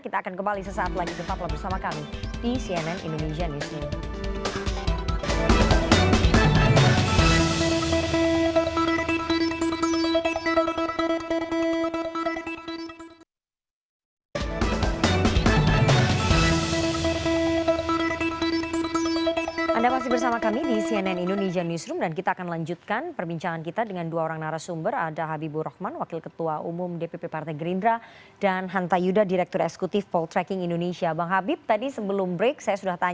kita akan kembali sesaat lagi jumpa pulang bersama kami di cnn indonesia news news